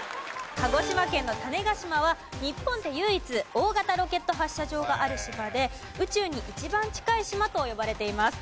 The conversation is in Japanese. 鹿児島県の種子島は日本で唯一大型ロケット発射場がある島で宇宙に一番近い島と呼ばれています。